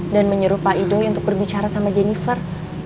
dan menyeru pak idoi untuk berbicara sama jennifer